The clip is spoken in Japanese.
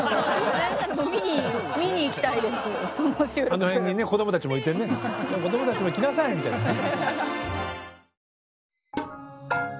あの辺にね子供たちもいてね子供たちも来なさいみたいなね。